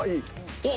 おっ。